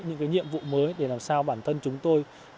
những cái nhiệm vụ mới để làm sao bản thân chúng tôi